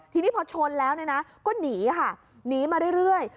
ทีนี้พอชนแล้วก็หนีค่ะหนีมาเรื่อย